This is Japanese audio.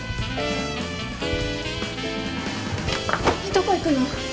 どこいくの！？